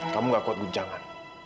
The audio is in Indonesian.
kamu nggak kuat guncangan